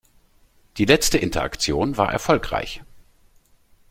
Die letzte Interaktion war erfolgreich.